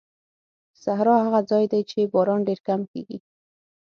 صحرا هغه ځای دی چې باران ډېر کم کېږي.